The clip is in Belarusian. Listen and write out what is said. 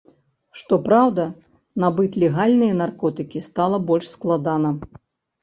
Што праўда, набыць легальныя наркотыкі стала больш складана.